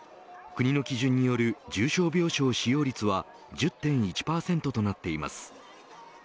国の基準による重症病床使用率は１０．１％となっています。